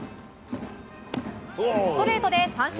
ストレートで三振。